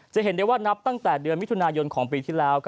จะเห็นได้ว่านับตั้งแต่เดือนมิถุนายนของปีที่แล้ว